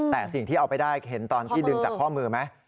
แต่สิ่งที่เอาไปได้เห็นตอนที่ดึงจากข้อมือไหม